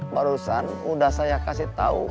barusan udah saya kasih tahu